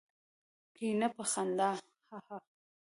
کېنه! په خندا هههه.